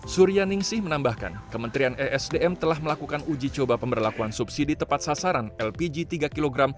surya ningsih menambahkan kementerian esdm telah melakukan uji coba pemberlakuan subsidi tepat sasaran lpg tiga kg